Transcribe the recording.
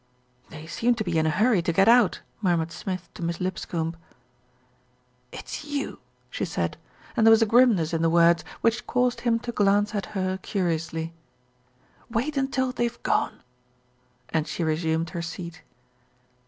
"They seem to be in a hurry to get out," murmured Smith to Miss Lipscombe. LITTLE BILSTEAD GOES TO CHURCH 169 "It's you !" she said, and there was a grimness in the words which caused him to glance at her curiously. "Wait until they've gone," and she resumed her seat.